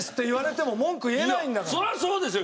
そりゃそうですよ。